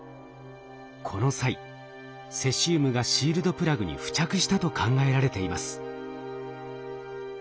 この際セシウムがシールドプラグに付着したと考えられています。